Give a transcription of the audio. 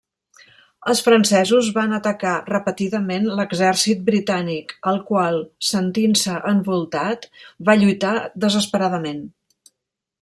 Els francesos van atacar repetidament l'exèrcit britànic, el qual, sentint-se envoltat, va lluitar desesperadament.